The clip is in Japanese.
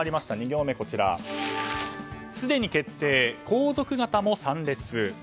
２行目はすでに決定、皇族方も参列。